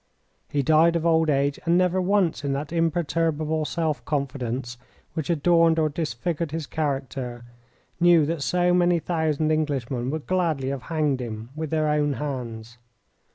He died of old age, and never once in that imperturbable self confidence which adorned or disfigured his character knew that so many thousand Englishmen would gladly have hanged him with their own hands.